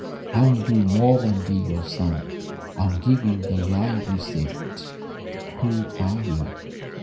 I will do more than be your son I will give you the life you saved. Who are you?"